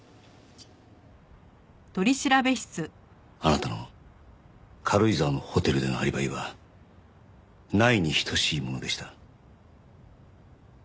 あなたの軽井沢のホテルでのアリバイはないに等しいものでした。